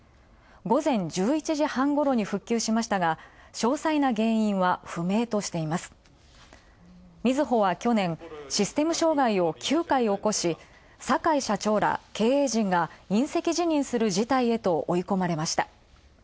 午前１１時半ころ復旧しましたが、詳細な原因は不明としています、みずほは去年、システム障害を９回起こし、坂井社長ら経営陣が引責辞任する事態へと追い込まれました。